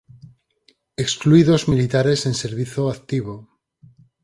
Excluídos militares en servizo activo.